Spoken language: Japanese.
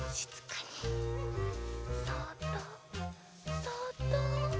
そっとそっと。